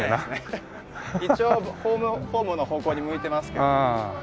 一応ホームの方向に向いてますけど。